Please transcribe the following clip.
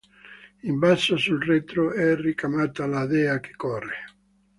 In basso sul retro è ricamata la dea che corre.